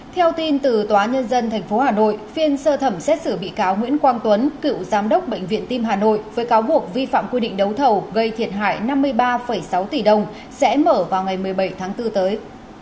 theo tin từ tòa nhân dân tp hà nội phiên sơ thẩm xét xử bị cáo nguyễn quang tuấn cựu giám đốc bệnh viện tim hà nội với cáo buộc vi phạm quy định đấu thầu gây thiệt hại năm mươi ba sáu tỷ đồng sẽ mở vào ngày một mươi bảy tháng bốn tới